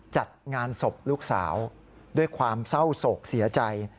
จัดงานศพลูกสาวด้วยความเศร้าโศกเสียใจ